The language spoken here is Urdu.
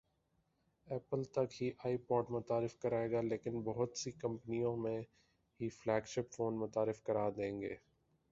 ایپل تک ہی آئی پوڈ متعارف کرائے گا لیکن بہت سی کمپنیاں میں ہی فلیگ شپ فون متعارف کرا دیں گی